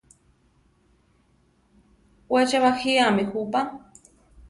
We che bajíami jupa.